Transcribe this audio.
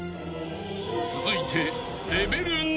［続いて］